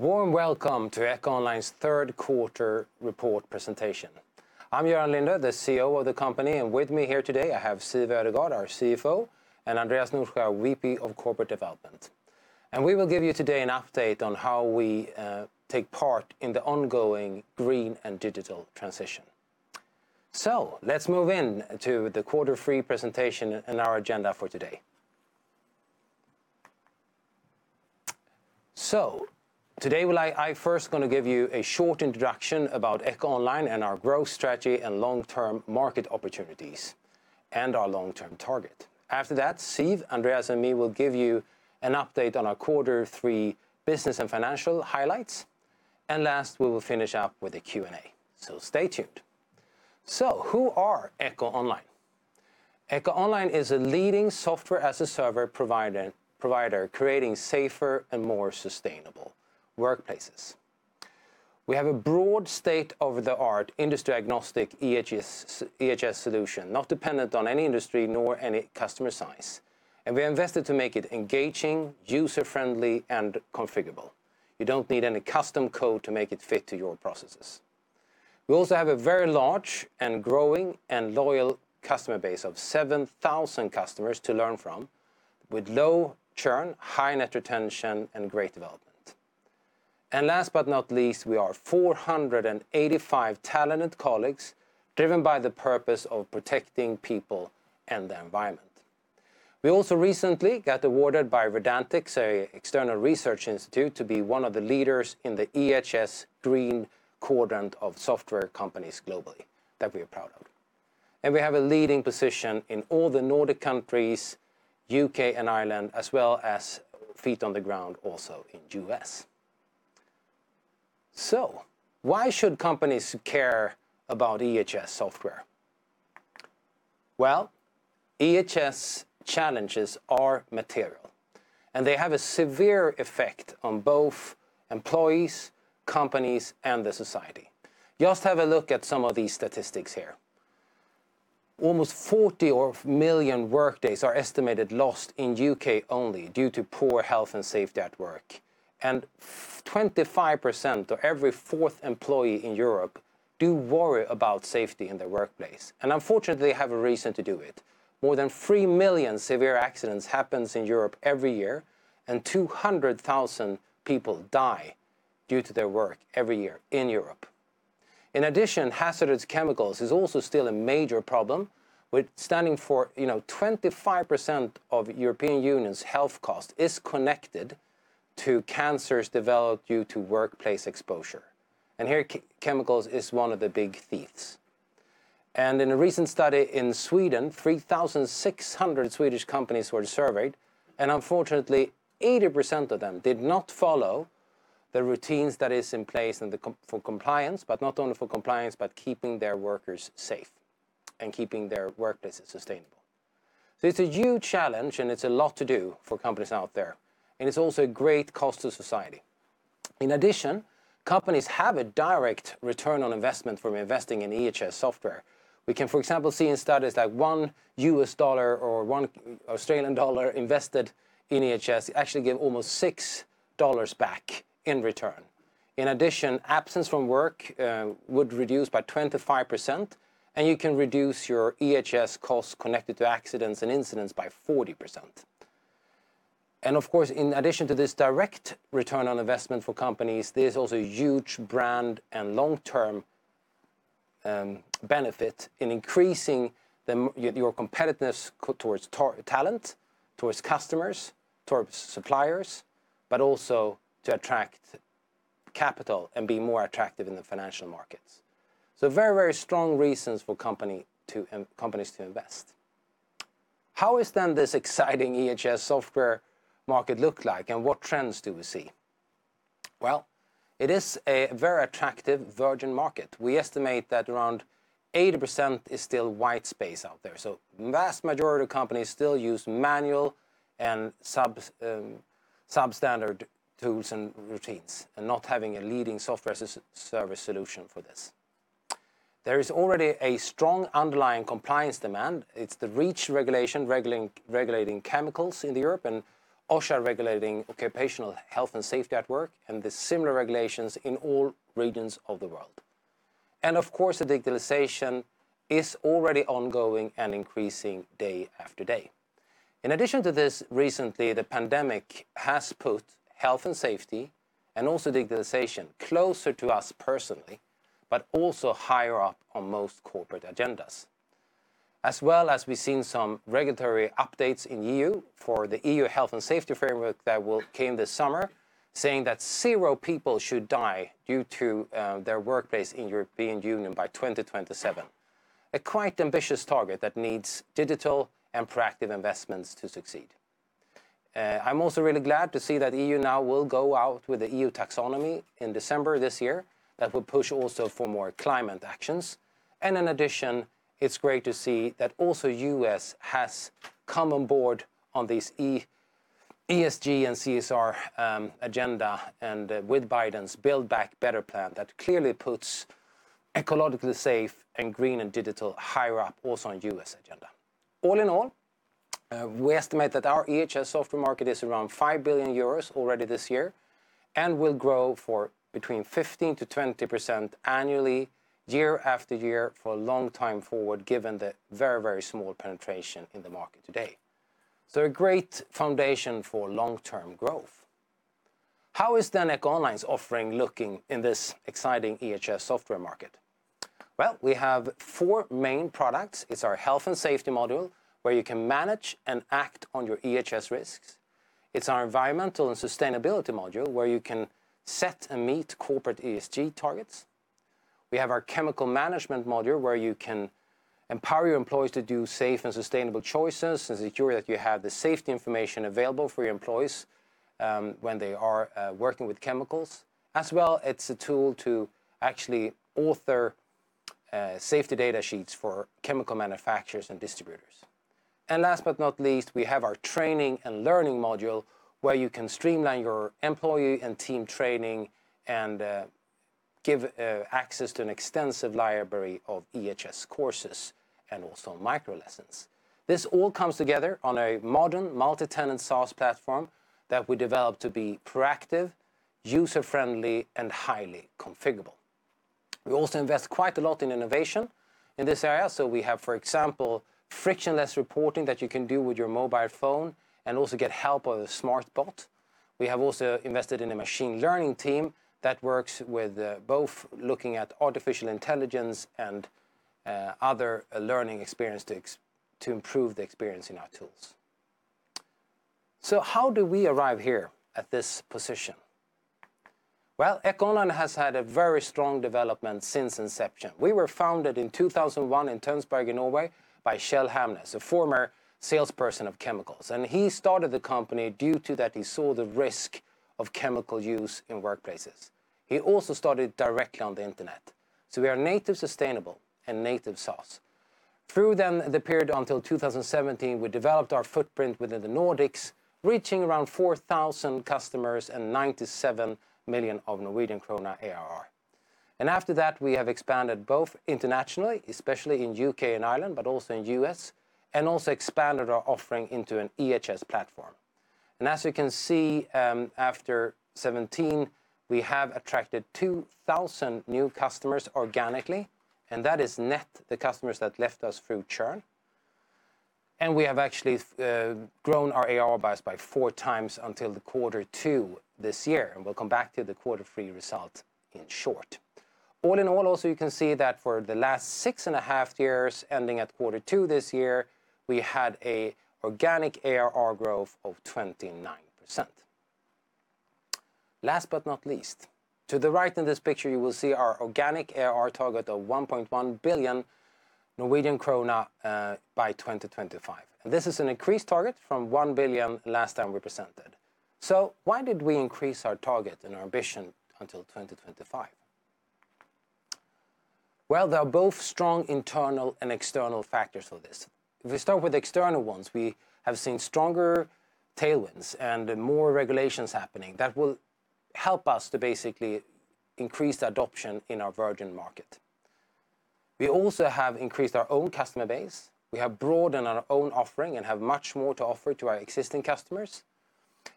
Warm welcome to EcoOnline's third quarter report presentation. I'm Göran Lindö, the CEO of the company, and with me here today I have Siw Ødegaard, our CFO, and Andreas Nordsjö, VP of Corporate Development. We will give you today an update on how we take part in the ongoing green and digital transition. Let's move in to the quarter three presentation and our agenda for today. Today I'll first gonna give you a short introduction about EcoOnline and our growth strategy and long-term market opportunities and our long-term target. After that, Siw, Andreas, and me will give you an update on our quarter three business and financial highlights. Last we will finish up with a Q&A. Stay tuned. Who are EcoOnline? EcoOnline is a leading software as a server provider creating safer and more sustainable workplaces. We have a broad state-of-the-art, industry-agnostic EHS solution, not dependent on any industry nor any customer size, and we invested to make it engaging, user-friendly, and configurable. You don't need any custom code to make it fit to your processes. We also have a very large and growing and loyal customer base of 7,000 customers to learn from with low churn, high net retention, and great development. Last but not least, we are 485 talented colleagues driven by the purpose of protecting people and the environment. We also recently got awarded by Verdantix, an external research institute, to be one of the leaders in the EHS Green Quadrant of software companies globally. That we are proud of. We have a leading position in all the Nordic countries, U.K. and Ireland, as well as feet on the ground also in U.S. Why should companies care about EHS software? Well, EHS challenges are material, and they have a severe effect on both employees, companies, and the society. Just have a look at some of these statistics here. Almost 40 million workdays are estimated lost in U.K. only due to poor health and safety at work, and 25% or every fourth employee in Europe do worry about safety in their workplace. Unfortunately, they have a reason to do it. More than 3 million severe accidents happens in Europe every year, and 200,000 people die due to their work every year in Europe. In addition, hazardous chemicals is also still a major problem standing for, you know, 25% of European Union’s health cost is connected to cancers developed due to workplace exposure, and here chemicals is one of the big thieves. In a recent study in Sweden, 3,600 Swedish companies were surveyed, and unfortunately, 80% of them did not follow the routines that is in place for compliance, but not only for compliance, but keeping their workers safe and keeping their workplace sustainable. It's a huge challenge, and it's a lot to do for companies out there, and it's also a great cost to society. In addition, companies have a direct return on investment from investing in EHS software. We can, for example, see in studies that $1 or AUD 1 invested in EHS actually give almost $6 back in return. In addition, absence from work would reduce by 25%, and you can reduce your EHS costs connected to accidents and incidents by 40%. Of course, in addition to this direct return on investment for companies, there's also huge brand and long-term benefit in increasing your competitiveness towards talent, towards customers, towards suppliers, but also to attract capital and be more attractive in the financial markets. Very, very strong reasons for companies to invest. How is then this exciting EHS software market look like, and what trends do we see? Well, it is a very attractive virgin market. We estimate that around 80% is still white space out there, so vast majority of companies still use manual and substandard tools and routines and not having a leading software service solution for this. There is already a strong underlying compliance demand. It's the REACH regulation regulating chemicals in Europe and OSHA regulating occupational health and safety at work and the similar regulations in all regions of the world. Of course, the digitalization is already ongoing and increasing day after day. In addition to this, recently the pandemic has put health and safety, and also digitalization, closer to us personally, but also higher up on most corporate agendas. As well as we've seen some regulatory updates in EU for the EU health and safety framework that will come this summer saying that zero people should die due to their workplace in European Union by 2027. A quite ambitious target that needs digital and proactive investments to succeed. I'm also really glad to see that EU now will go out with the EU Taxonomy in December this year that will push also for more climate actions. In addition, it's great to see that also U.S. has come on board on this ESG and CSR agenda and with Biden's Build Back Better plan that clearly puts ecologically safe and green and digital higher up also on U.S. agenda. All in all, we estimate that our EHS software market is around 5 billion euros already this year, and will grow for between 15%-20% annually year after year for a long time forward, given the very, very small penetration in the market today. A great foundation for long-term growth. How is then EcoOnline's offering looking in this exciting EHS software market? Well, we have four main products. It's our health and safety module, where you can manage and act on your EHS risks. It's our environmental and sustainability module, where you can set and meet corporate ESG targets. We have our chemical management module, where you can empower your employees to do safe and sustainable choices, and ensure that you have the safety information available for your employees, when they are working with chemicals. As well, it's a tool to actually author safety data sheets for chemical manufacturers and distributors. Last but not least, we have our training and learning module, where you can streamline your employee and team training and give access to an extensive library of EHS courses and also micro lessons. This all comes together on a modern multi-tenant SaaS platform that we developed to be proactive, user-friendly, and highly configurable. We also invest quite a lot in innovation in this area. We have, for example, frictionless reporting that you can do with your mobile phone and also get help with a smart bot. We have also invested in a machine learning team that works with both looking at artificial intelligence and other learning experience to improve the experience in our tools. How do we arrive here at this position? Well, EcoOnline has had a very strong development since inception. We were founded in 2001 in Tønsberg, Norway by Kjell Hamnes, a former salesperson of chemicals, and he started the company due to that he saw the risk of chemical use in workplaces. He also started directly on the Internet, so we are native sustainable and native SaaS. Through the period until 2017, we developed our footprint within the Nordics, reaching around 4,000 customers and 97 million ARR. After that, we have expanded both internationally, especially in U.K. and Ireland, but also in U.S., and also expanded our offering into an EHS platform. As you can see, after 2017, we have attracted 2,000 new customers organically, and that is net the customers that left us through churn. We have actually grown our ARR base by 4x until quarter two this year, and we'll come back to the quarter three result in short. All in all, also, you can see that for the last six and a half years, ending at quarter two this year, we had an organic ARR growth of 29%. Last but not least, to the right in this picture, you will see our organic ARR target of 1.1 billion Norwegian krone by 2025. This is an increased target from 1 billion last time we presented. Why did we increase our target and our ambition until 2025? Well, there are both strong internal and external factors for this. If we start with external ones, we have seen stronger tailwinds and more regulations happening that will help us to basically increase adoption in our virgin market. We also have increased our own customer base. We have broadened our own offering and have much more to offer to our existing customers.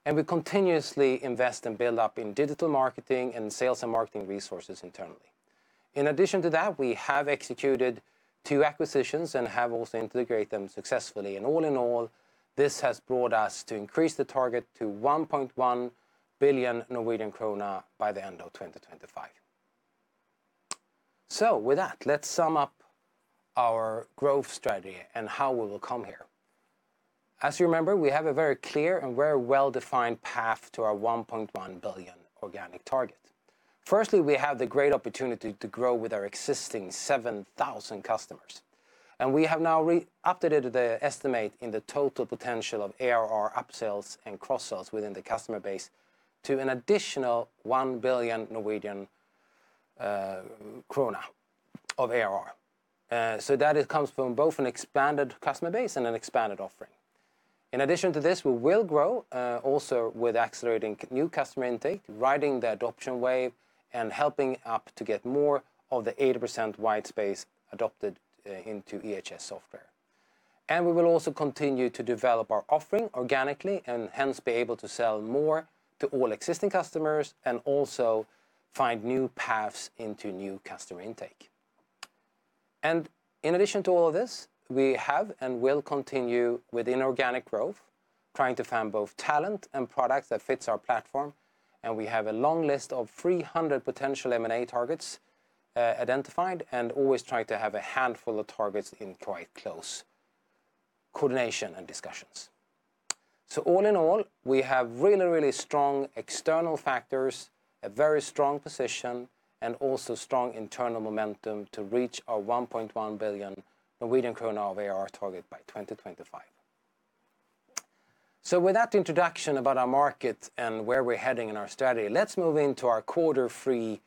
We continuously invest and build up in digital marketing and sales and marketing resources internally. In addition to that, we have executed two acquisitions and have also integrated them successfully. All in all, this has brought us to increase the target to 1.1 billion Norwegian krone by the end of 2025. With that, let's sum up our growth strategy and how we will get there. As you remember, we have a very clear and very well-defined path to our 1.1 billion organic target. First, we have the great opportunity to grow with our existing 7,000 customers, and we have now updated the estimate in the total potential of ARR upsells and cross-sells within the customer base to an additional 1 billion Norwegian krone of ARR. That comes from both an expanded customer base and an expanded offering. In addition to this, we will grow also with accelerating new customer intake, riding the adoption wave, and helping to get more of the 80% white space adopted into EHS software. We will also continue to develop our offering organically and hence be able to sell more to all existing customers and also find new paths into new customer intake. In addition to all of this, we have and will continue with inorganic growth, trying to find both talent and products that fits our platform. We have a long list of 300 potential M&A targets, identified and always try to have a handful of targets in quite close coordination and discussions. All in all, we have really, really strong external factors, a very strong position, and also strong internal momentum to reach our 1.1 billion Norwegian krone of ARR target by 2025. With that introduction about our market and where we're heading in our strategy, let's move into our quarter three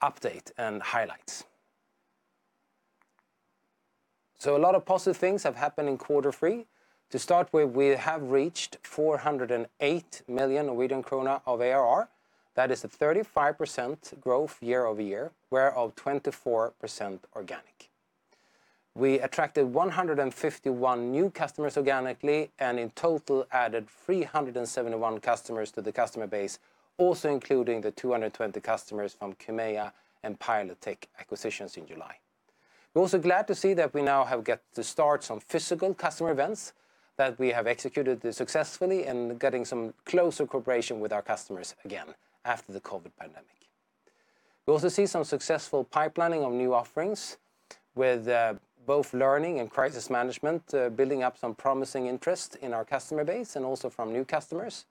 update and highlights. A lot of positive things have happened in quarter three. To start with, we have reached 408 million Norwegian krone of ARR. That is a 35% growth year-over-year, whereof 24% organic. We attracted 151 new customers organically, and in total added 371 customers to the customer base, also including the 220 customers from Chymeia and Pilotech acquisitions in July. We're also glad to see that we now have got to start some physical customer events that we have executed successfully and getting some closer cooperation with our customers again after the COVID pandemic. We also see some successful pipelining of new offerings with both learning and crisis management building up some promising interest in our customer base and also from new customers.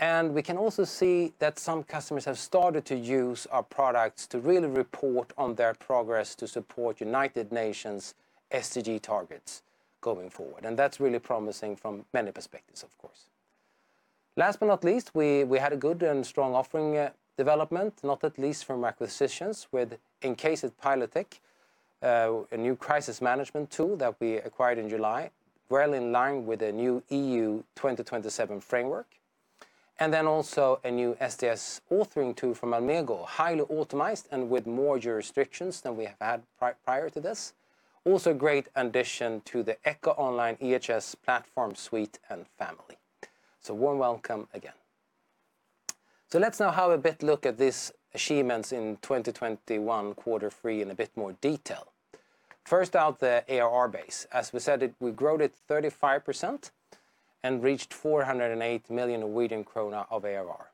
We can also see that some customers have started to use our products to really report on their progress to support United Nations SDG targets going forward. That's really promising from many perspectives, of course. Last but not least, we had a good and strong offering development, not least from acquisitions with, in case of Pilotech, a new crisis management tool that we acquired in July, well in line with the new EU 2027 framework, and then also a new SDS authoring tool from Almego, highly automated and with more jurisdictions than we have had prior to this. Also great addition to the EcoOnline EHS platform suite and family. Warm welcome again. Let's now have a bit look at these achievements in 2021 quarter three in a bit more detail. First out, the ARR base. As we said it, we growed it 35% and reached 408 million Norwegian krone of ARR.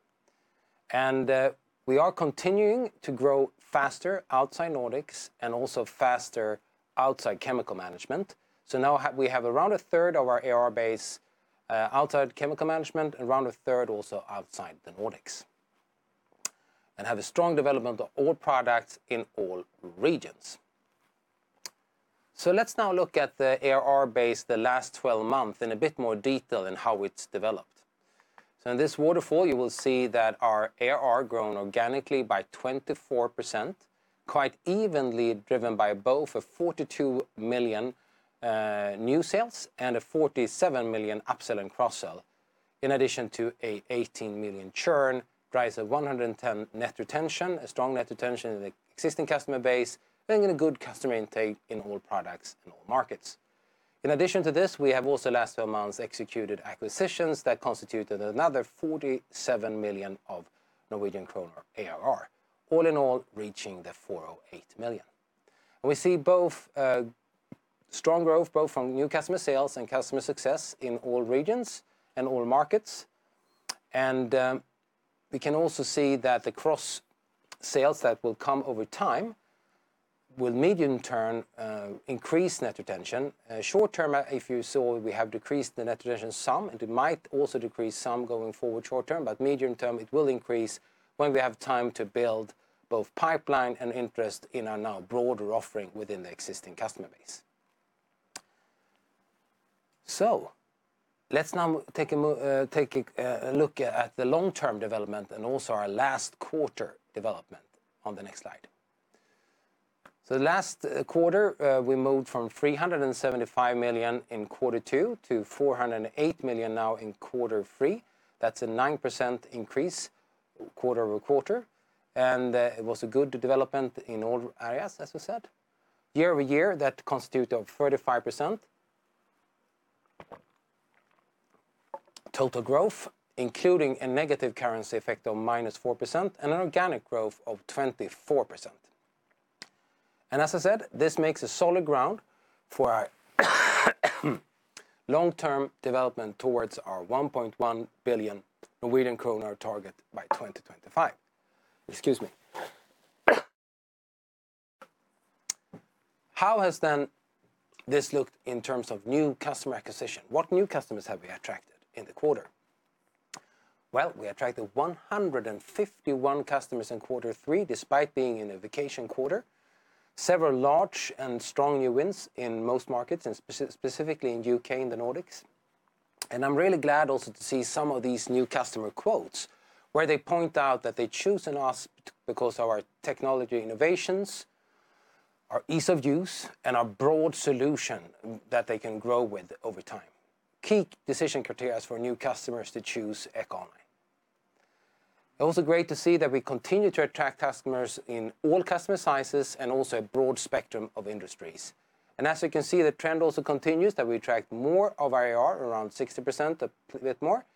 We are continuing to grow faster outside Nordics and also faster outside chemical management. Now we have around 1/3 of our ARR base outside chemical management and around 1/3 also outside the Nordics, and have a strong development of all products in all regions. Let's now look at the ARR base the last 12 months in a bit more detail in how it's developed. In this waterfall, you will see that our ARR grown organically by 24%, quite evenly driven by both 42 million new sales and 47 million upsell and cross-sell. In addition to 18 million churn drives 110 net retention, a strong net retention in the existing customer base, bringing a good customer intake in all products, in all markets. In addition to this, we have also last two months executed acquisitions that constituted another 47 million of ARR, all in all, reaching 408 million. We see both strong growth both from new customer sales and customer success in all regions and all markets. We can also see that the cross-sales that will come over time will medium-term increase net retention. Short-term, if you saw, we have decreased the net retention some, and it might also decrease some going forward short-term, but medium-term, it will increase when we have time to build both pipeline and interest in our now broader offering within the existing customer base. Let's now take a look at the long-term development and also our last quarter development on the next slide. The last quarter, we moved from 375 million in quarter two to 408 million now in quarter three. That's a 9% increase quarter-over-quarter. It was a good development in all areas, as we said. Year-over-year, that constitute of 35% total growth, including a negative currency effect of -4% and an organic growth of 24%. As I said, this makes a solid ground for our long-term development towards our 1.1 billion Norwegian kroner target by 2025. Excuse me. How has then this looked in terms of new customer acquisition? What new customers have we attracted in the quarter? Well, we attracted 151 customers in quarter three, despite being in a vacation quarter. Several large and strong new wins in most markets, and specifically in U.K. and the Nordics. I'm really glad also to see some of these new customer quotes, where they point out that they're choosing us because our technology innovations, our ease of use, and our broad solution that they can grow with over time. Key decision criteria for new customers to choose EcoOnline. Also great to see that we continue to attract customers in all customer sizes and also a broad spectrum of industries. As you can see, the trend also continues that we attract more of our ARR, around 60%, a bit more,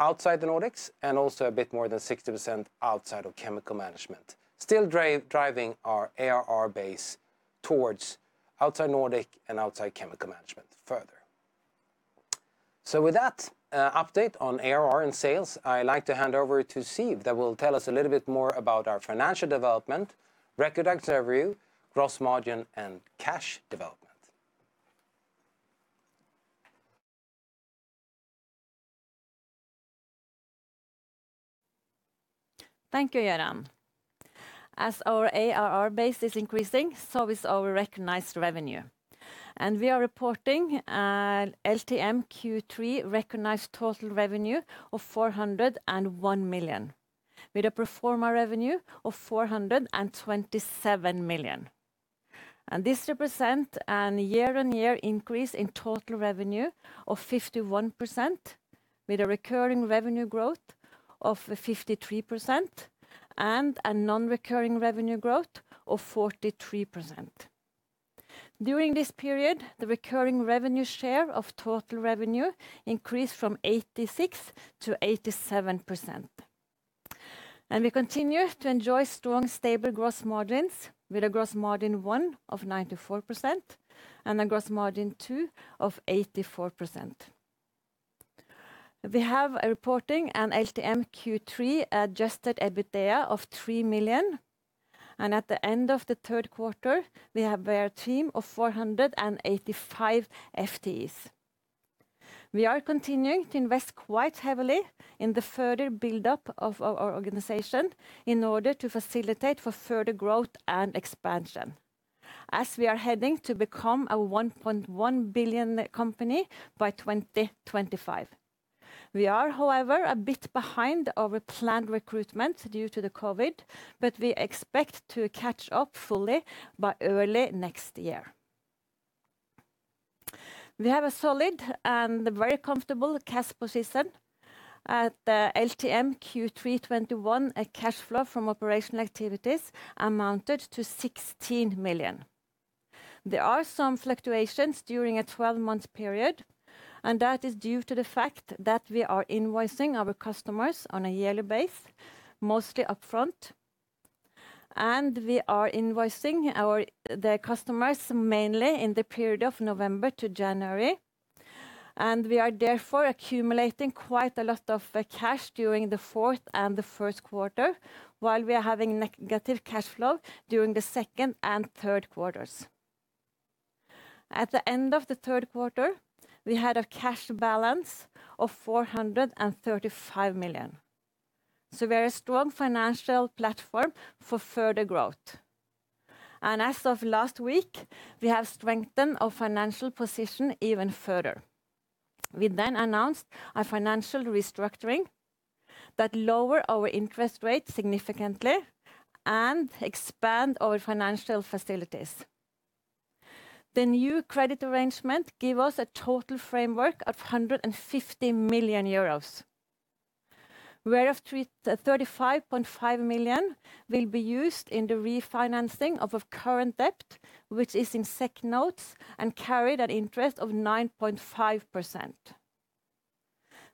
outside the Nordics and also a bit more than 60% outside of chemical management. Still driving our ARR base towards outside Nordic and outside chemical management further. With that, update on ARR and sales, I like to hand over to Siw that will tell us a little bit more about our financial development, recognized revenue, gross margin, and cash development. Thank you, Göran. As our ARR base is increasing, so is our recognized revenue. We are reporting LTM Q3 recognized total revenue of 401 million. With a pro forma revenue of 427 million. This represents a year-on-year increase in total revenue of 51% with a recurring revenue growth of 53% and a non-recurring revenue growth of 43%. During this period, the recurring revenue share of total revenue increased from 86% to 87%. We continue to enjoy strong, stable gross margins with a gross margin one of 94% and a gross margin two of 84%. We are reporting LTM Q3 adjusted EBITDA of 3 million, and at the end of the third quarter, we have our team of 485 FTEs. We are continuing to invest quite heavily in the further build-up of our organization in order to facilitate for further growth and expansion as we are heading to become a 1.1 billion company by 2025. We are, however, a bit behind our planned recruitment due to the COVID, but we expect to catch up fully by early next year. We have a solid and very comfortable cash position at the LTM Q3 2021, a cash flow from operational activities amounted to 16 million. There are some fluctuations during a 12-month period, and that is due to the fact that we are invoicing our customers on a yearly basis, mostly upfront. We are invoicing their customers mainly in the period of November to January. We are therefore accumulating quite a lot of cash during the fourth and the first quarter, while we are having negative cash flow during the second and third quarters. At the end of the third quarter, we had a cash balance of 435 million, so very strong financial platform for further growth. As of last week, we have strengthened our financial position even further. We then announced a financial restructuring that lower our interest rate significantly and expand our financial facilities. The new credit arrangement give us a total framework of 150 million euros, whereof 35.5 million will be used in the refinancing of our current debt, which is in senior secured notes and carried an interest of 9.5%.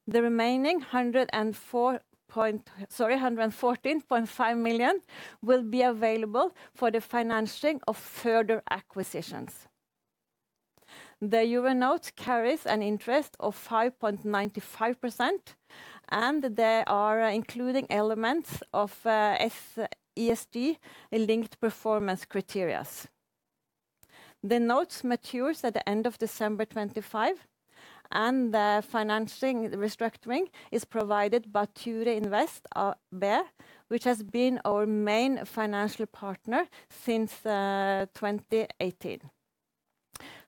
The remaining EUR 114.5 million. Sorry, 114.5 million will be available for the financing of further acquisitions. The EUR note carries an interest of 5.95%, and they are including elements of ESG-linked performance criteria. The notes matures at the end of December 2025, and the financing restructuring is provided by Ture Invest AB, which has been our main financial partner since 2018.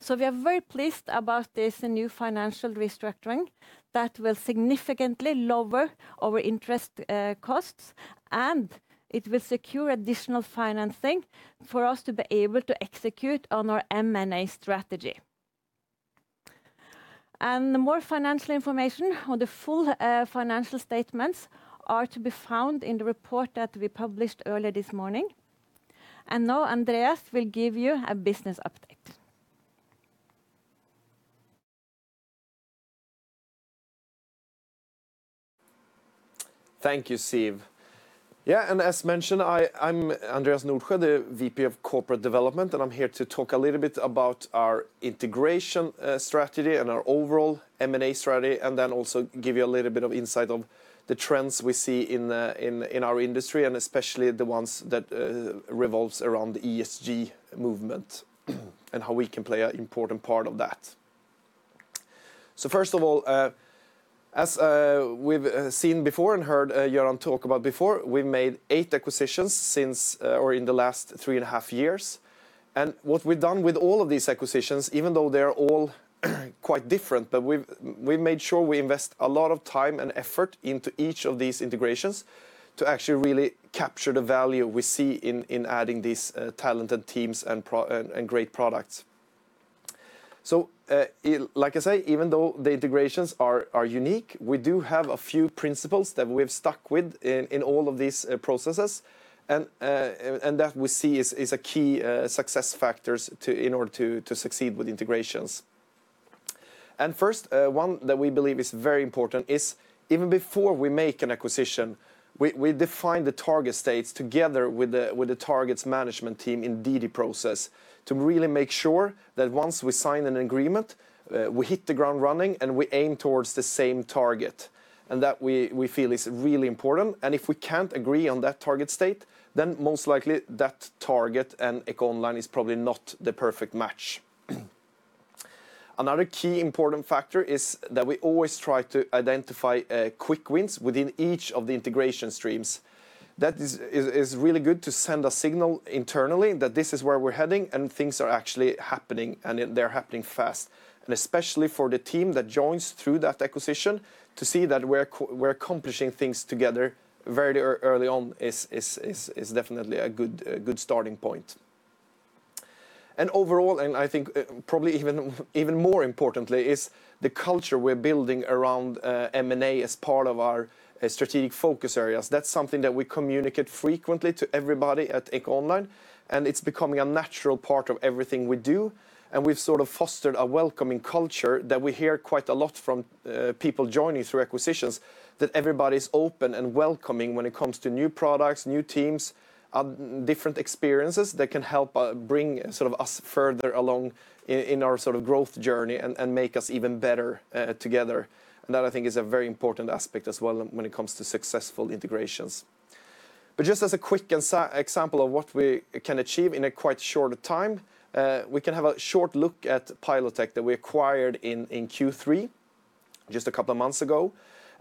We are very pleased about this new financial restructuring that will significantly lower our interest costs, and it will secure additional financing for us to be able to execute on our M&A strategy. More financial information on the full financial statements are to be found in the report that we published earlier this morning. Now Andreas will give you a business update. Thank you, Siw. Yeah, and as mentioned, I'm Andreas Nordsjö, the VP of Corporate Development, and I'm here to talk a little bit about our integration strategy and our overall M&A strategy, and then also give you a little bit of insight on the trends we see in our industry, and especially the ones that revolves around the ESG movement and how we can play an important part of that. First of all, as we've seen before and heard Göran talk about before, we've made eight acquisitions since or in the last three and a half years. What we've done with all of these acquisitions, even though they're all quite different, but we've made sure we invest a lot of time and effort into each of these integrations to actually really capture the value we see in adding these talented teams and great products. Like I say, even though the integrations are unique, we do have a few principles that we've stuck with in all of these processes and that we see is a key success factors in order to succeed with integrations. First, one that we believe is very important is even before we make an acquisition, we define the target states together with the targets management team in DD process to really make sure that once we sign an agreement, we hit the ground running, and we aim towards the same target. That we feel is really important. If we can't agree on that target state, then most likely that target and EcoOnline is probably not the perfect match. Another key important factor is that we always try to identify quick wins within each of the integration streams. That is really good to send a signal internally that this is where we're heading, and things are actually happening, and they're happening fast. Especially for the team that joins through that acquisition to see that we're accomplishing things together very early on is definitely a good starting point. Overall, I think probably even more importantly, is the culture we're building around M&A as part of our strategic focus areas. That's something that we communicate frequently to everybody at EcoOnline, and it's becoming a natural part of everything we do. We've sort of fostered a welcoming culture that we hear quite a lot from people joining through acquisitions, that everybody's open and welcoming when it comes to new products, new teams, different experiences that can help bring sort of us further along in our sort of growth journey and make us even better together. That, I think, is a very important aspect as well when it comes to successful integrations. Just as a quick example of what we can achieve in a quite short time, we can have a short look at Pilotech that we acquired in Q3 just a couple of months ago.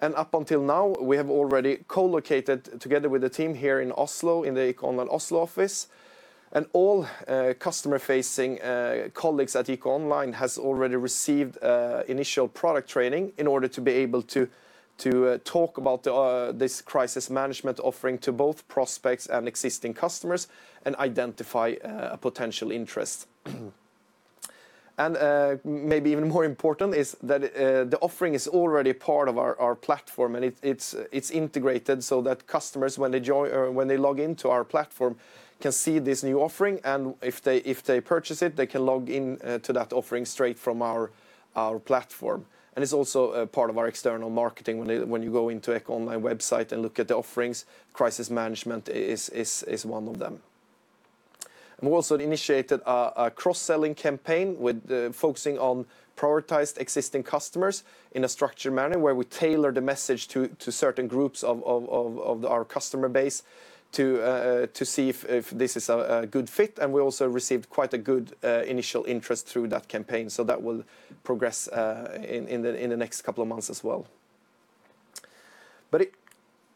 Up until now, we have already co-located together with the team here in Oslo, in the EcoOnline Oslo office. All customer-facing colleagues at EcoOnline has already received initial product training in order to be able to talk about this crisis management offering to both prospects and existing customers and identify potential interest. Maybe even more important is that the offering is already part of our platform, and it's integrated so that customers, when they join or when they log into our platform, can see this new offering, and if they purchase it, they can log in to that offering straight from our platform. It's also a part of our external marketing when you go into EcoOnline website and look at the offerings, Crisis management is one of them. We also initiated a cross-selling campaign with focusing on prioritized existing customers in a structured manner where we tailor the message to certain groups of our customer base to see if this is a good fit. We also received quite a good initial interest through that campaign. That will progress in the next couple of months as well.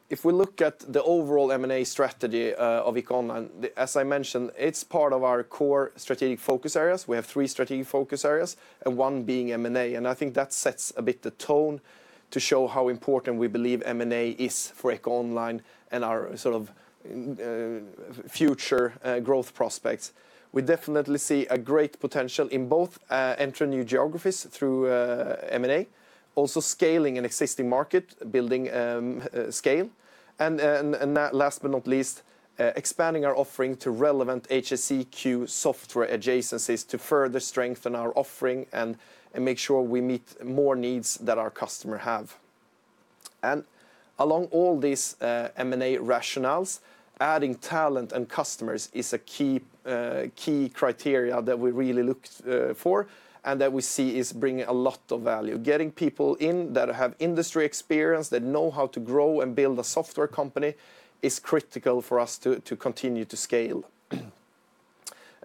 If we look at the overall M&A strategy of EcoOnline, as I mentioned, it's part of our core strategic focus areas. We have three strategic focus areas and one being M&A, and I think that sets a bit the tone to show how important we believe M&A is for EcoOnline and our sort of future growth prospects. We definitely see a great potential in both enter new geographies through M&A, also scaling an existing market, building scale, and last but not least, expanding our offering to relevant HSEQ software adjacencies to further strengthen our offering and make sure we meet more needs that our customer have. Along all these M&A rationales, adding talent and customers is a key criteria that we really look for and that we see is bringing a lot of value. Getting people in that have industry experience, that know how to grow and build a software company, is critical for us to continue to scale.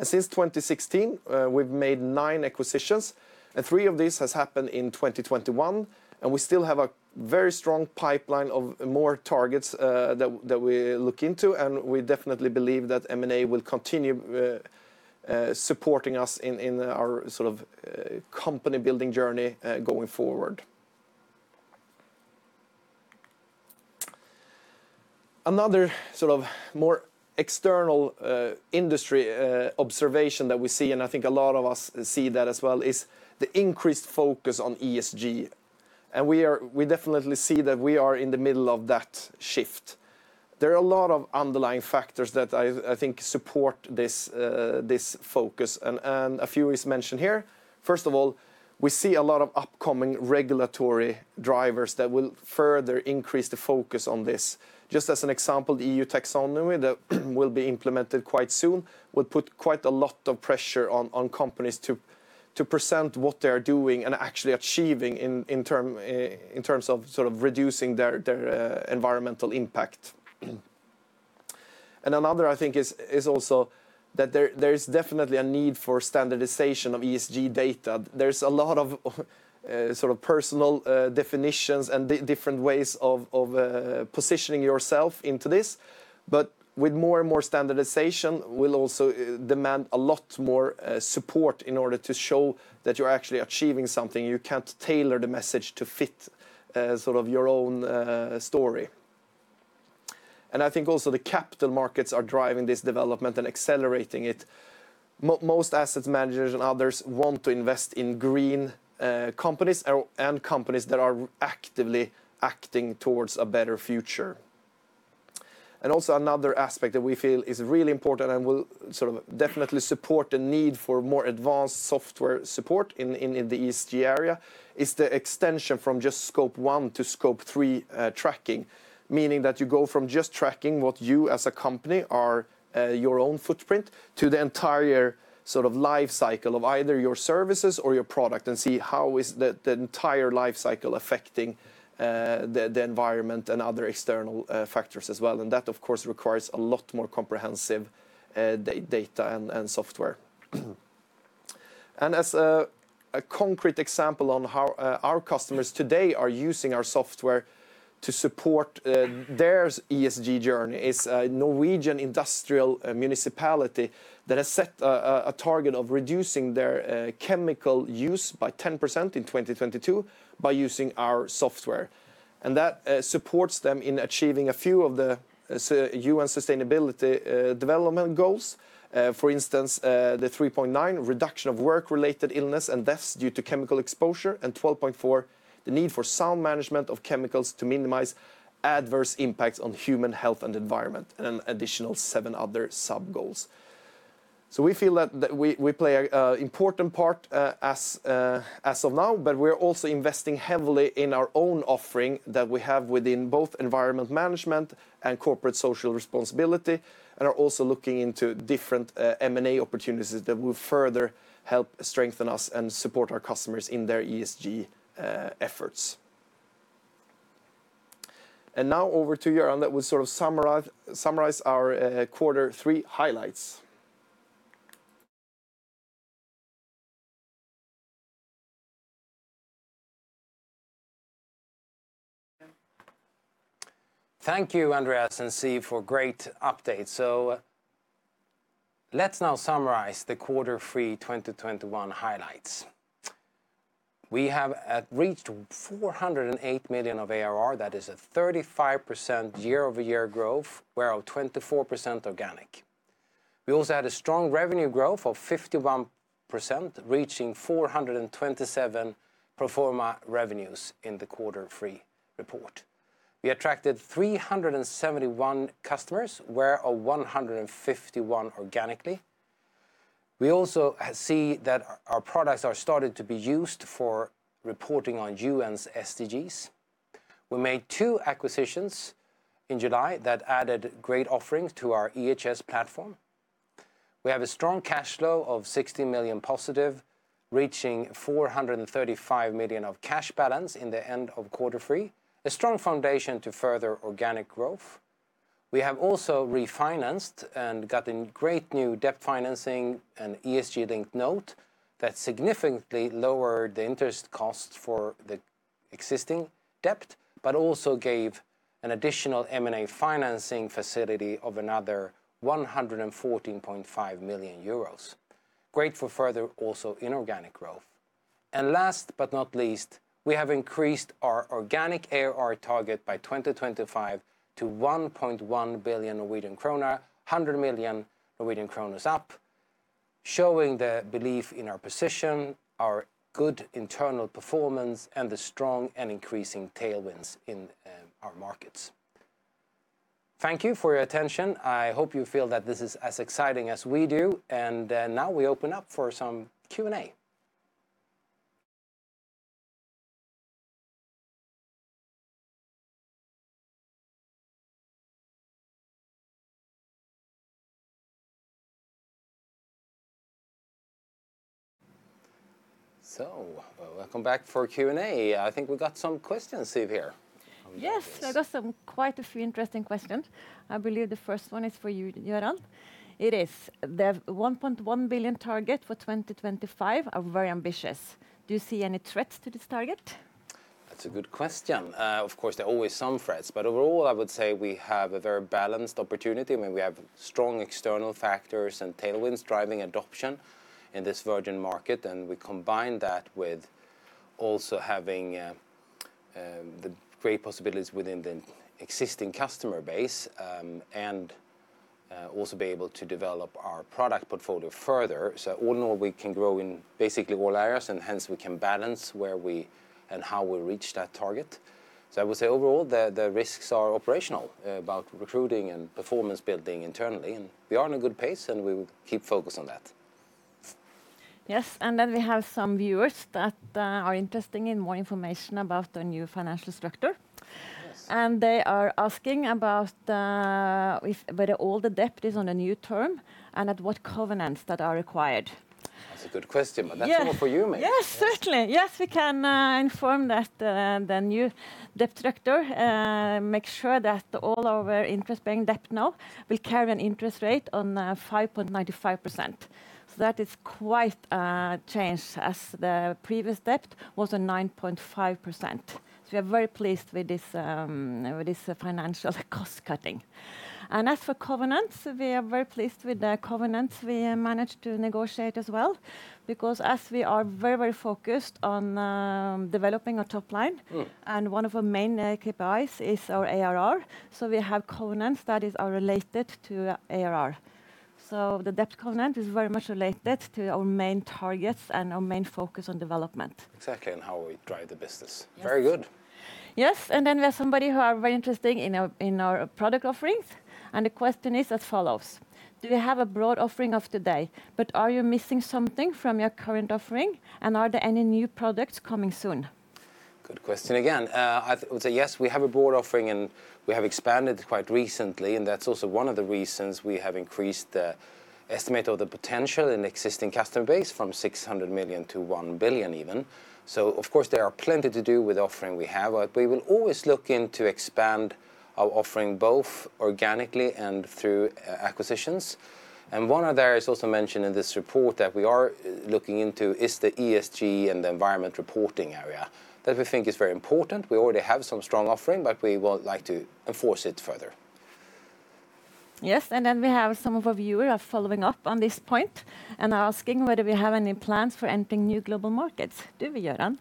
Since 2016, we've made nine acquisitions, and three of these has happened in 2021, and we still have a very strong pipeline of more targets that we look into, and we definitely believe that M&A will continue supporting us in our sort of company-building journey going forward. Another sort of more external industry observation that we see, and I think a lot of us see that as well, is the increased focus on ESG. We definitely see that we are in the middle of that shift. There are a lot of underlying factors that I think support this focus and a few is mentioned here. First of all, we see a lot of upcoming regulatory drivers that will further increase the focus on this. Just as an example, the EU Taxonomy that will be implemented quite soon will put quite a lot of pressure on companies to present what they are doing and actually achieving in terms of sort of reducing their environmental impact. Another, I think is also that there is definitely a need for standardization of ESG data. There's a lot of sort of personal definitions and different ways of positioning yourself into this. With more and more standardization, we'll also demand a lot more support in order to show that you're actually achieving something. You can't tailor the message to fit sort of your own story. I think also the capital markets are driving this development and accelerating it. Most asset managers and others want to invest in green companies and companies that are actively acting towards a better future. Also another aspect that we feel is really important and will sort of definitely support the need for more advanced software support in the ESG area is the extension from just Scope 1 to Scope 3 tracking. Meaning that you go from just tracking what you as a company are, your own footprint to the entire sort of life cycle of either your services or your product and see how the entire life cycle affecting the environment and other external factors as well. That, of course, requires a lot more comprehensive data and software. As a concrete example on how our customers today are using our software to support their ESG journey is a Norwegian industrial municipality that has set a target of reducing their chemical use by 10% in 2022 by using our software. That supports them in achieving a few of the UN Sustainable Development Goals. For instance, the 3.9% reduction of work-related illness and deaths due to chemical exposure, and 12.4, the need for sound management of chemicals to minimize adverse impacts on human health and environment, and an additional seven other sub goals. We feel that we play an important part as of now, but we're also investing heavily in our own offering that we have within both environment management and corporate social responsibility, and are also looking into different M&A opportunities that will further help strengthen us and support our customers in their ESG efforts. Now over to Göran that will sort of summarize our quarter three highlights. Thank you, Andreas and Siw, for great updates. Let's now summarize the quarter three 2021 highlights. We have reached 408 million of ARR. That is a 35% year-over-year growth, whereof 24% organic. We also had a strong revenue growth of 51%, reaching 427 million pro forma revenues in the quarter three report. We attracted 371 customers, whereof 151 organically. We also see that our products are started to be used for reporting on UN's SDGs. We made two acquisitions in July that added great offerings to our EHS platform. We have a strong cash flow of 16 million positive, reaching 435 million of cash balance at the end of quarter three, a strong foundation to further organic growth. We have also refinanced and gotten great new debt financing and ESG-linked note that significantly lowered the interest costs for the existing debt, but also gave an additional M&A financing facility of another 114.5 million euros. Great for further also inorganic growth. Last but not least, we have increased our organic ARR target by 2025 to 1.1 billion Norwegian kroner, 100 million Norwegian kroner is up, showing the belief in our position, our good internal performance, and the strong and increasing tailwinds in our markets. Thank you for your attention. I hope you feel that this is as exciting as we do, and now we open up for some Q&A. Welcome back for Q&A. I think we got some questions, Siw, here. Yes. On the list. I got some quite a few interesting questions. I believe the first one is for you, Göran. It is, "The 1.1 billion target for 2025 are very ambitious. Do you see any threats to this target? That's a good question. Of course, there are always some threats. Overall, I would say we have a very balanced opportunity. I mean, we have strong external factors and tailwinds driving adoption in this virgin market, and we combine that with also having the great possibilities within the existing customer base, and also be able to develop our product portfolio further. All in all, we can grow in basically all areas, and hence we can balance where we and how we reach that target. I would say overall the risks are operational, about recruiting and performance building internally, and we are in a good pace, and we will keep focused on that. Yes. We have some viewers that are interested in more information about the new financial structure. Yes. They are asking about whether all the debt is on a new term, and at what covenants that are required. That's a good question. Yeah. That's all for you, maybe. Yes, certainly. Yes, we can confirm that the new debt structure makes sure that all our interest bearing debt now will carry an interest rate on 5.95%. That is quite a change as the previous debt was 9.5%. We are very pleased with this financial cost cutting. As for covenants, we are very pleased with the covenants we managed to negotiate as well. Because as we are very, very focused on developing our top line. One of our main KPIs is our ARR, so we have covenants that are related to ARR. The debt covenant is very much related to our main targets and our main focus on development. Exactly, how we drive the business. Yes. Very good. Yes. We have somebody who are very interested in our product offerings, and the question is as follows: "Do you have a broad offering of today, but are you missing something from your current offering, and are there any new products coming soon? Good question again. I would say yes, we have a broad offering, and we have expanded quite recently, and that's also one of the reasons we have increased the estimate of the potential in existing customer base from 600 million to 1 billion even. Of course there are plenty to do with the offering we have. We will always look to expand our offering both organically and through acquisitions. One other is also mentioned in this report that we are looking into is the ESG and the environmental reporting area. That we think is very important. We already have some strong offering, but we would like to enforce it further. Yes, and then we have some of our viewers are following up on this point and are asking whether we have any plans for entering new global markets. Do we, Göran?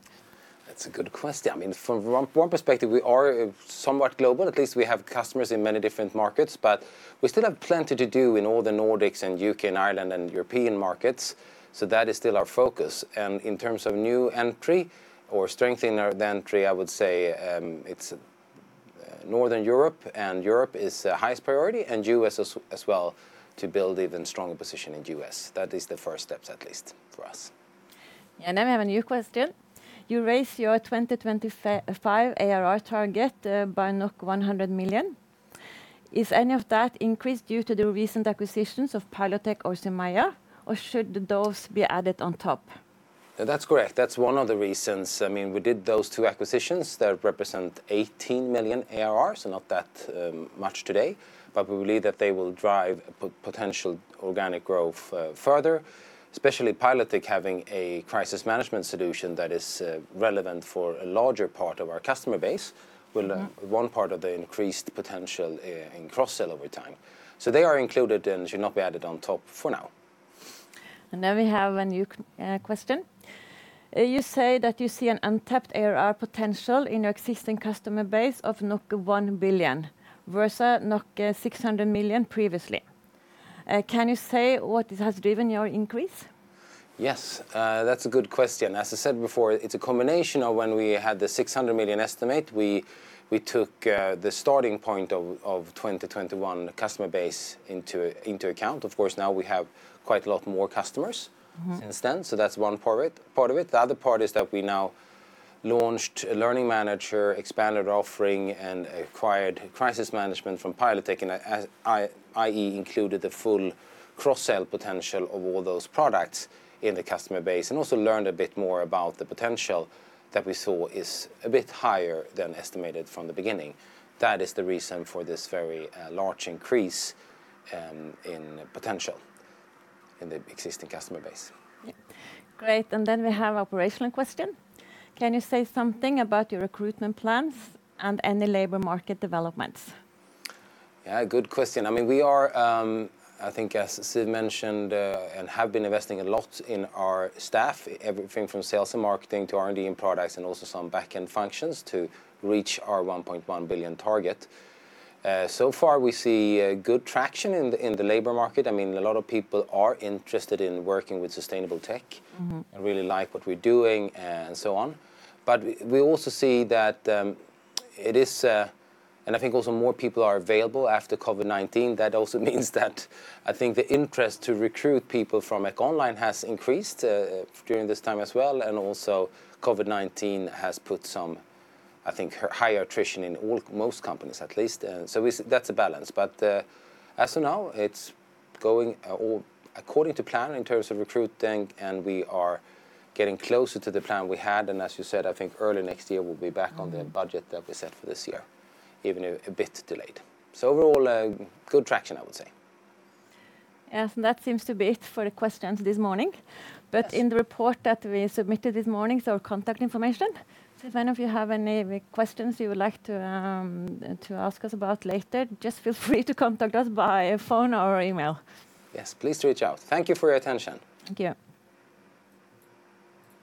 That's a good question. I mean, from one perspective, we are somewhat global. At least we have customers in many different markets, but we still have plenty to do in all the Nordics and U.K. and Ireland and European markets, so that is still our focus. In terms of new entry or strengthening our entry, I would say, it's Northern Europe and Europe is the highest priority, and U.S. as well to build even stronger position in the U.S. That is the first steps at least for us. I have a new question. You raise your 2025 ARR target by 100 million. Is any of that increase due to the recent acquisitions of Pilotech or Chymeia, or should those be added on top? That's correct. That's one of the reasons. I mean, we did those two acquisitions that represent 18 million ARR, so not that much today. We believe that they will drive potential organic growth further, especially Pilotech having a crisis management solution that is relevant for a larger part of our customer base will one part of the increased potential in cross-sell over time. They are included and should not be added on top for now. Now we have a new question. You say that you see an untapped ARR potential in your existing customer base of 1 billion versus 600 million previously. Can you say what has driven your increase? Yes. That's a good question. As I said before, it's a combination of when we had the 600 million estimate, we took the starting point of 2021 customer base into account. Of course, now we have quite a lot more customers since then, that's one part of it. The other part is that we now launched learning manager, expanded offering, and acquired crisis management from Pilotech. As we have included the full cross-sell potential of all those products in the customer base and also learned a bit more about the potential that we saw is a bit higher than estimated from the beginning. That is the reason for this very large increase in potential in the existing customer base. Great. We have operational question. Can you say something about your recruitment plans and any labor market developments? Yeah, good question. I mean, we are, I think as Siw mentioned, and have been investing a lot in our staff, everything from sales and marketing to R&D and products and also some back-end functions to reach our 1.1 billion target. So far we see good traction in the labor market. I mean, a lot of people are interested in working with sustainable tech. Really like what we're doing and so on. We also see that it is, and I think also more people are available after COVID-19. That also means that I think the interest to recruit people from EcoOnline has increased during this time as well. Also COVID-19 has put some, I think, high attrition in almost all companies at least. That's a balance. As of now, it's going all according to plan in terms of recruiting, and we are getting closer to the plan we had. As you said, I think early next year we'll be back on the budget that we set for this year, even if a bit delayed. Overall, a good traction, I would say. Yes. That seems to be it for the questions this morning. Yes. In the report that we submitted this morning is our contact information. If any of you have any questions you would like to ask us about later, just feel free to contact us by phone or email. Yes, please reach out. Thank you for your attention. Thank you.